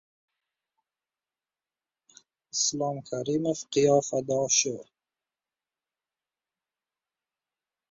Foto: Islom Karimov qiyofadoshi